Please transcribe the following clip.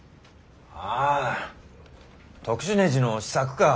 ああ特殊ねじの試作か。